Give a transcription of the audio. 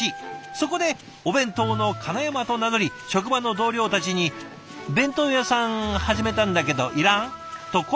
そこで「お弁当のかなやま」と名乗り職場の同僚たちに「弁当屋さん始めたんだけどいらん？」と声をかけて回ったんだとか。